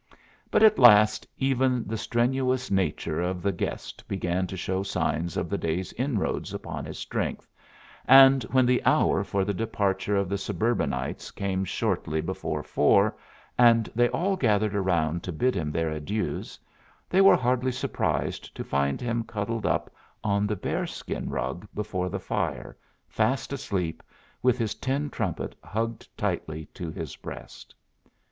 But at last even the strenuous nature of the guest began to show signs of the day's inroads upon his strength, and when the hour for the departure of the suburbanites came shortly before four, and they all gathered around to bid him their adieus, they were hardly surprised to find him cuddled up on the bearskin rug before the fire, fast asleep, with his tin trumpet hugged tightly to his breast.